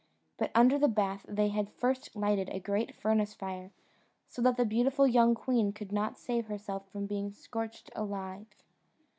But under the bath they had first lighted a great furnace fire, so that the beautiful young queen could not save herself from being scorched alive.